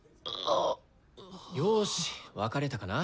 よし分かれたかな？